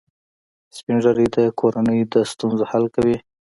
سپین ږیری د کورنۍ د ستونزو حل کوي